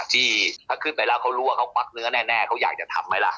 ที่ถ้าขึ้นไปแล้วเขารู้ว่าเขาควักเนื้อแน่เขาอยากจะทำไหมล่ะ